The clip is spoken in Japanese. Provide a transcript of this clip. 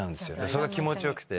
それが気持ちよくて。